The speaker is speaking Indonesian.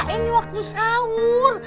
ini waktu sahur